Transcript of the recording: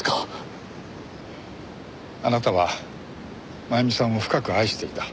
あなたは真由美さんを深く愛していた。